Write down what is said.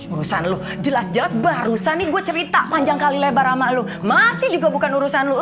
urusan lu jelas jelas barusan nih gua cerita panjang kali lebar ama lu masih juga bukan urusan lu